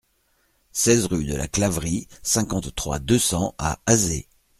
seize rue de la Claverie, cinquante-trois, deux cents à Azé